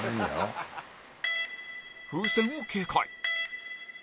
風船を警戒